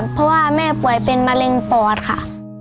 เพราะว่าแม่ป่วยเป็นมะเร็งปอดค่ะ